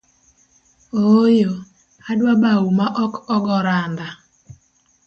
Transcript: Ooyo, adwa bau maok ogo randa.